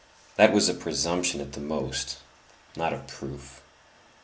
that was a presumption at the most, not a proof.